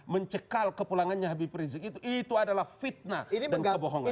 mencekal kepulangannya habib rizik itu adalah fitnah dan kebohongan